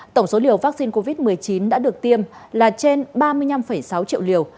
tổng số liều vaccine covid một mươi chín đã được tiêm là trên ba mươi năm sáu triệu liều